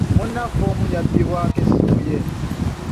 Munnaffe omu yabbibwako essimu ye.